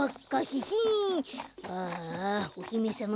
ああおひめさま